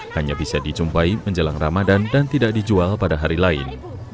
hanya bisa dijumpai menjelang ramadan dan tidak dijual pada hari lain